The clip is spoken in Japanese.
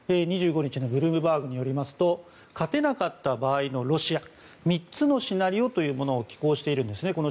２５日のブルームバーグによりますと勝てなかった場合のロシア３つのシナリオというものを寄稿しているんですね。